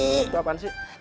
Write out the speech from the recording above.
itu apaan sih